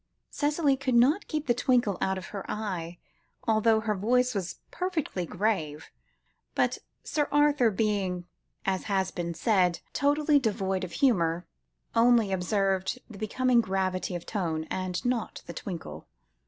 Cicely could not keep the twinkle out of her eyes, although her voice was perfectly grave; but Sir Arthur, being, as has been said, totally devoid of humour, only observed the becoming gravity of tone, and not the twinkle.